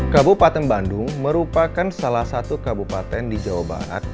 kabupaten bandung merupakan salah satu kabupaten di jawa barat